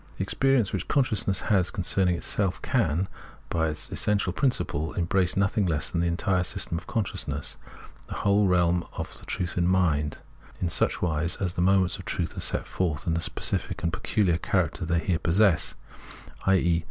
The experience which consciousness has concerning itself can, by its essential principle, embrace nothing less than the entire system of consciousness, the whole realm of the truth of mind, and in such wise that the Introduction 89 aaoments of truth are set forth in the specific and pecuhar character they here possess — i.e.